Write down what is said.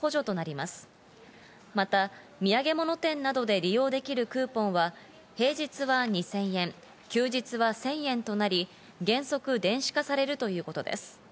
また土産物店などで利用できるクーポンは、平日は２０００円、休日は１０００円となり、原則、電子化されるということです。